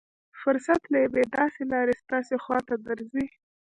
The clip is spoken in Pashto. فرصت له يوې داسې لارې ستاسې خوا ته درځي.